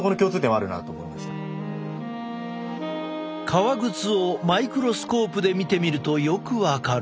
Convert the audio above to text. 革靴をマイクロスコープで見てみるとよく分かる。